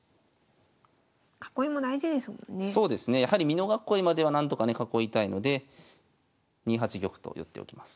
美濃囲いまでは何とかね囲いたいので２八玉と寄っておきます。